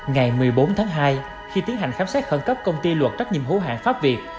ngày một mươi bốn tháng hai khi tiến hành khám xét khẩn cấp công ty luật trách nhiệm hữu hạng pháp việt